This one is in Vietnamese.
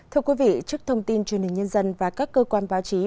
thưa quý vị trước thông tin truyền hình nhân dân và các cơ quan báo chí